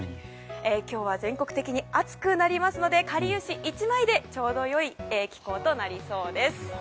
今日は全国的に暑くなりますのでかりゆし１枚でちょうどよい気候となりそうです。